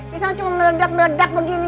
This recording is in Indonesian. pisang cuma meledak meledak begini